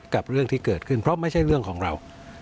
เรื่องที่เกิดขึ้นเพราะไม่ใช่เรื่องของเรา